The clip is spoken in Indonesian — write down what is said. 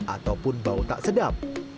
ataupun bau tak sedap